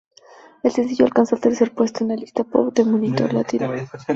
El sencillo alcanzó el tercer puesto en la lista pop de "Monitor Latino".